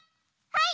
はい！